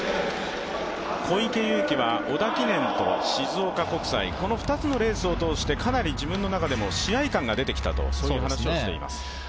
小池祐貴は織田記念と静岡国際、この２つのレースを通して、かなり自分の中でも試合感が出てきたと話をしています。